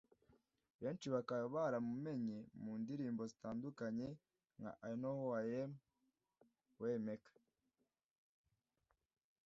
Benshi bakaba baramumenye mu ndirimbo zitandukanye nka ‘I know Who I am’ ‘WayMaker’